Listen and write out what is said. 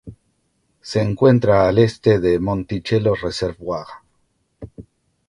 Se encuentra al este de Monticello Reservoir.